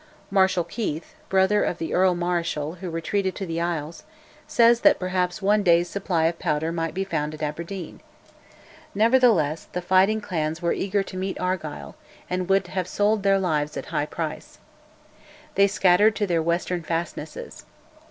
Marshal Keith (brother of the Earl Marischal who retreated to the isles) says that perhaps one day's supply of powder might be found at Aberdeen. Nevertheless the fighting clans were eager to meet Argyll, and would have sold their lives at a high price. They scattered to their western fastnesses.